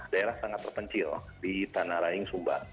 daerah sangat terpencil di tanah rayung sumba